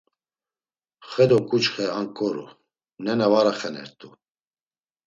Xe do ǩuçxe anǩoru, nena var axenert̆u.